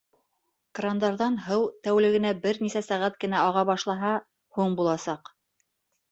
Крандарҙан һыу тәүлегенә бер нисә сәғәт кенә аға башлаһа, һуң буласаҡ.